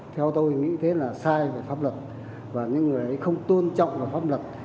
theo tôi nghĩ thế là sai về pháp luật và những người ấy không tôn trọng vào pháp luật